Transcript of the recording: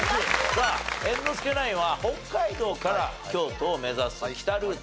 さあ猿之助ナインは北海道から京都を目指す北ルートの挑戦です。